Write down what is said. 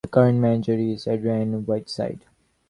The current manager is Adrian Whiteside.